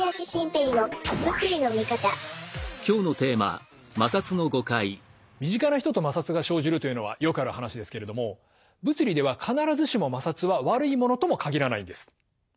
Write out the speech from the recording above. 小林晋平の身近な人と摩擦が生じるというのはよくある話ですけれども物理では必ずしも摩擦は悪いものとも限らないんです。